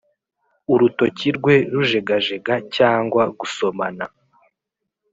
urutoki rwe rujegajega, cyangwa gusomana